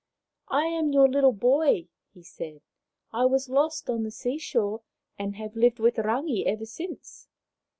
" I am your little boy," he said. " I was lost on the sea shore and have lived with Rangi ever since."